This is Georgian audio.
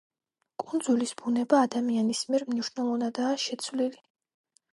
კუნძულის ბუნება ადამიანის მიერ მნიშვნელოვნადაა შეცვლილი.